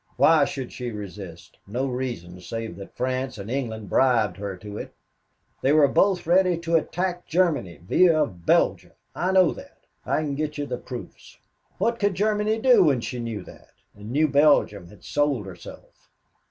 Why should she resist? No reason save that France and England bribed her to it. They were both ready to attack Germany via Belgium. I know that. I can get you the proofs. What could Germany do when she knew that and knew Belgium had sold herself?